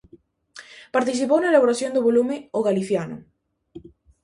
Participou na elaboración do volume "O Galiciano".